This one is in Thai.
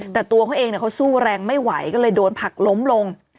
แต่ตัวเขาเองเขาสู้แรงไม่ไหวก็เลยโดนผักล้มลง